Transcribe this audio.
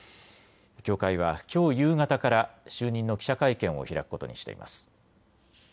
協会はきょう夕方から就任の記者会見を開くことにしています。